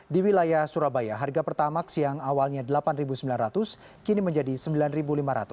di wilayah surabaya harga pertamax yang awalnya rp delapan sembilan ratus kini menjadi rp sembilan lima ratus